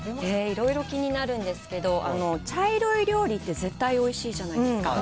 いろいろ気になるんですけど、茶色い料理って絶対おいしいじゃないですか。